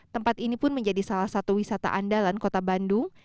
tempat ini pun menjadi salah satu wisata andalan kota bandung